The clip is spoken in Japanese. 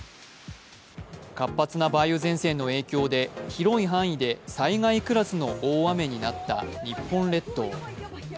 活発な梅雨前線の影響で広い範囲で災害クラスの大雨になった日本列島。